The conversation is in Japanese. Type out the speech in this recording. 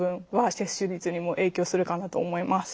接種率にも影響するかなと思います。